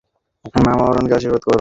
মামা, অরুণকেও আশীর্বাদ করো।